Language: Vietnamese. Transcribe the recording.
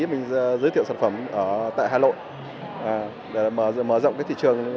mình giới thiệu sản phẩm ở tại hà nội để mở rộng cái thị trường